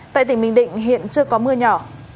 tại tỉnh bình định hiện chưa có mưa nhỏ